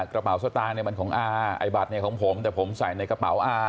กระเป๋าสตางค์เนี่ยมันของอาไอ้บัตรเนี่ยของผมแต่ผมใส่ในกระเป๋าอา